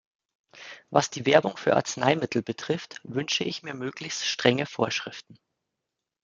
Was die Werbung für Arzneimittel betrifft, wünsche ich mir möglichst strenge Vorschriften.